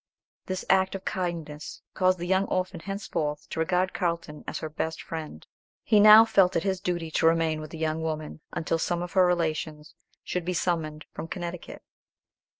This act of kindness caused the young orphan henceforth to regard Carlton as her best friend. He now felt it his duty to remain with the young woman until some of her relations should be summoned from Connecticut.